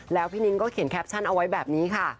แล้วพี่นิ้งก็เขียนแคปชั่นเอาไว้แบบนี้ค่ะ